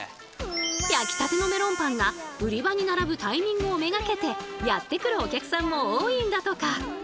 焼きたてのメロンパンが売り場に並ぶタイミングを目がけてやって来るお客さんも多いんだとか。